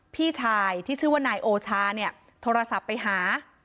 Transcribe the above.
พี่ชายที่ชื่อว่านายโอชาเนี่ยโทรศัพท์ไปหา